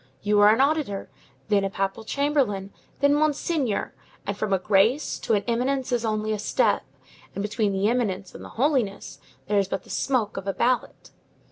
you are an auditor, then a papal chamberlain, then monsignor, and from a Grace to an Eminence is only a step, and between the Eminence and the Holiness there is but the smoke of a ballot.